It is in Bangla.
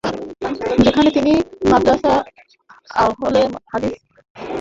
সেখানে তিনি "মাদ্রাসা আহলে হাদিস" নামে একটি ধর্মীয় স্কুল এবং "জামে আল-কুদস আহলে হাদিস" নামে একটি মসজিদ চালু করেন।